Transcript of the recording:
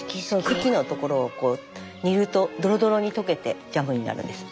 茎のところを煮るとドロドロに溶けてジャムになるんです。